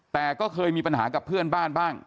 แต่ก็เคยมีปัญหากับเพื่อนบ้านบ้าง